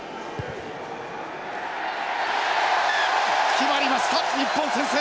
決まりました日本先制！